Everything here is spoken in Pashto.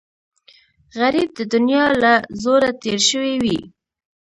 غریب د دنیا له زوره تېر شوی وي